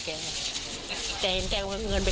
แล้วแบบนี้งั้นแล้วนี้น่ะ